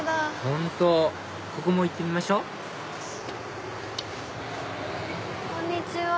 本当ここも行ってみましょこんにちは。